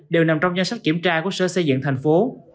đều nằm trong nhan sách kiểm tra của sở xây dựng tp hcm